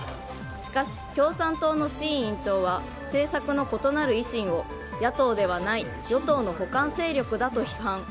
しかし、共産党の志位委員長は政策の異なる維新を野党ではない与党の補完勢力だと批判。